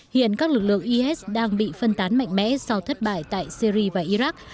hiện các lực lượng is đang bị phân tán mạnh mẽ sau thất bại tại syri và iraq